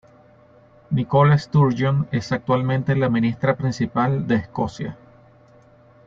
Nicola Sturgeon es actualmente la Ministra Principal de Escocia.